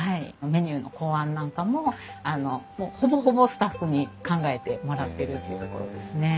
メニューの考案なんかもほぼほぼスタッフに考えてもらってるっていうところですね。